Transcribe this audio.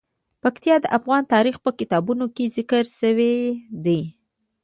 پکتیا د افغان تاریخ په کتابونو کې ذکر شوی دي.